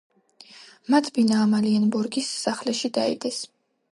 მათ ბინა ამალიენბორგის სასახლეში დაიდეს.